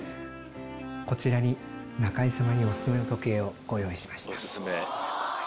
こちらに中居様にお薦めの時計をご用意しました。